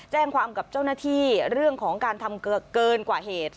แจ้งความกับเจ้าหน้าที่เรื่องของการทำเกินกว่าเหตุ